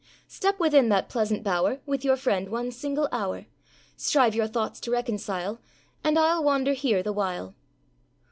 âStep within that pleasant bower, With your friend one single hour; Strive your thoughts to reconcile, And Iâll wander here the while.